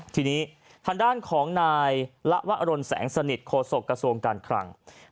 ทีนี้ทางด้านของนายละวะอรนแสงสนิทโฆษกระทรวงการคลัง